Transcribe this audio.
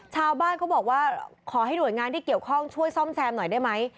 ชาวบ้านเขาบอกว่าขอให้หน่วยงานที่เกี่ยวข้องช่วยซ่อมแซมหน่อยได้ไหม